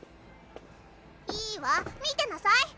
いいわ見てなさい。